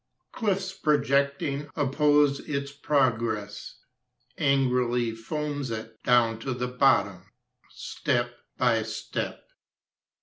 Cliffs projecting Oppose its progress, Angrily foams it Down to the bottom, Step by step.